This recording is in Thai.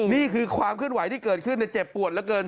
นี่คือความขึ้นไหวที่เกิดขึ้นในเจ็บปวดเกิน